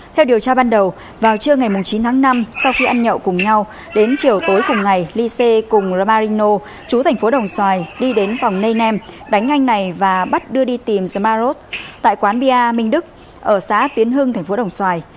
theo điều tra ban đầu vào chiều ngày chín tháng năm sau khi ăn nhậu cùng nhau đến chiều tối cùng ngày lise cùng ramarino chú tp đồng xoài đi đến phòng ney nem đánh anh này và bắt đưa đi tìm zmaros tại quán bia minh đức ở xá tiến hưng tp đồng xoài